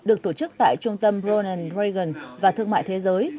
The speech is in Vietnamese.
được tổ chức tại trung tâm ronald reagan và thương mại thế giới